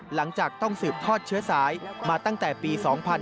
หลังจากต้องสืบทอดเชื้อสายมาตั้งแต่ปี๒๕๕๙